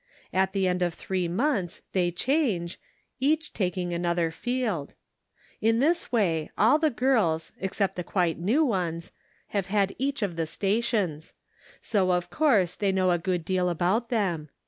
At the end of three months they change, each taking another field. In this way all the girls, except the quite new ones, have had each of the sta tions ; so of course they know a good deal about them.